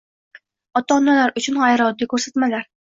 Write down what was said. Ota-onalar uchun g'ayrioddiy ko'rsatmalar.